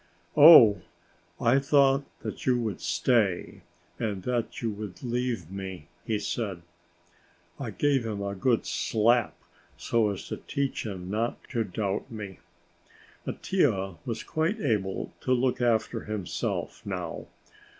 "Oh, I thought that you would stay and that you would leave me," he said. I gave him a good slap, so as to teach him not to doubt me. Mattia was quite able to look after himself now.